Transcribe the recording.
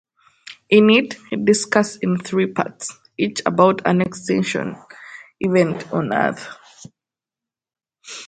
In it, he discussed in three parts, each about an extinction event on earth.